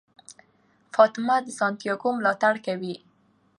فاطمه د سانتیاګو ملاتړ کوي.